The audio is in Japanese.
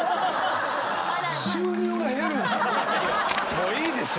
もういいでしょ！